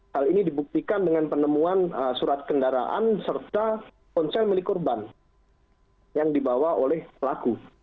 hal ini dibuktikan dengan penemuan surat kendaraan serta ponsel milik korban yang dibawa oleh pelaku